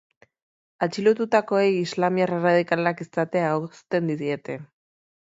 Atxilotutakoei islamiar erradikalak izatea egozten diete.